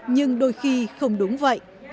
nhưng đôi khi không đúng vậy